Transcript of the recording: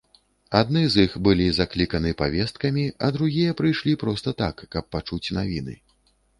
Адны з іх былі закліканы павесткамі, а другія прыйшлі проста так, каб пачуць навіны.